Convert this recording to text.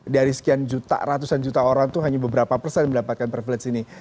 dari sekian juta ratusan juta orang itu hanya beberapa persen mendapatkan privilege ini